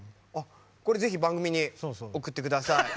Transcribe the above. ぜひ、番組に送ってください。